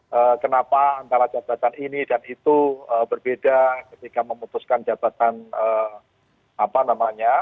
dan kenapa antara jabatan ini dan itu berbeda ketika memutuskan jabatan apa namanya